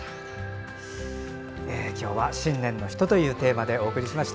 今日は「信念の人」というテーマでお送りしました。